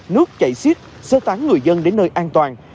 nước chảy xít xơ tán người dân đến nơi an toàn